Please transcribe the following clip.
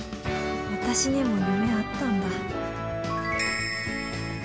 私にも夢あったんだ。